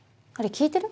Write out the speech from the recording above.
聞いてる？